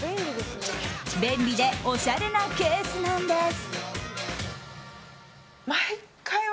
便利でおしゃれなケースなんです。